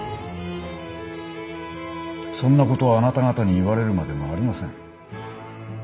そんなことあなた方に言われるまでもありません。